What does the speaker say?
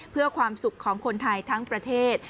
เพื่อความสุขของคนไทยทั้งประเทศ